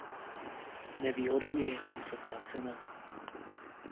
Nevýhodou je jeho vysoká cena.